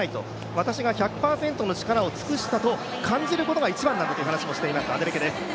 私が１００％の力を尽くしたと感じることが大事だと話していたアデレケです。